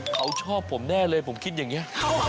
เขาชอบผมแน่เลยผมคิดอย่างนี้